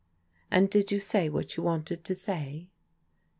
" And did you say what you wanted to say